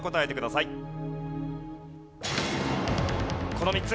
この３つ。